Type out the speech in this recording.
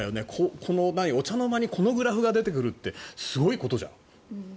お茶の間にこのグラフが出てくるってすごいことじゃん。